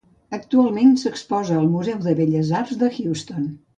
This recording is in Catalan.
Actualment s'exposa al Museu de Belles Arts de Houston.